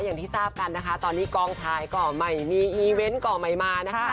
อย่างที่ทราบกันนะคะตอนนี้กองถ่ายก็ไม่มีอีเวนต์ก่อใหม่มานะคะ